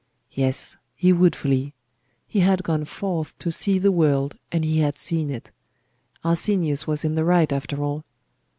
Yes, he would flee. He had gone forth to see the world, and he had seen it. Arsenius was in the right after all.